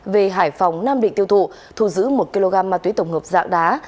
về hải phòng nam định tiêu thụ thu giữ một kg ma túy tổng hợp dạng đá